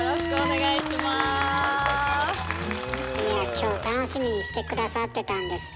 いやぁ今日楽しみにして下さってたんですって？